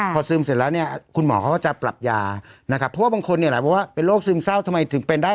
พอซึมเสร็จแล้วเนี่ยคุณหมอเขาก็จะปรับยานะครับเพราะว่าบางคนเนี่ยแหละเพราะว่าเป็นโรคซึมเศร้าทำไมถึงเป็นได้